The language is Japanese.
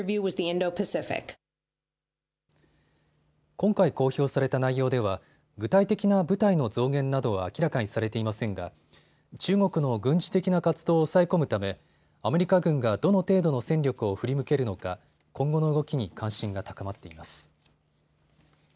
今回公表された内容では具体的な部隊の増減などは明らかにされていませんが中国の軍事的な活動を抑え込むためアメリカ軍がどの程度の戦力を振り向けるのか今後の動きに関心が高まっています。